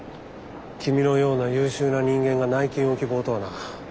君のような優秀な人間が内勤を希望とはな。